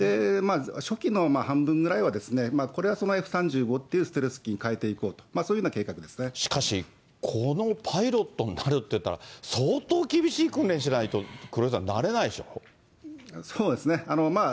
初期の半分ぐらいは、これはＦ３５っていうステルス機に替えていこうと、しかし、このパイロットになるっていったら、相当厳しい訓練しないと、黒井さん、そうですね。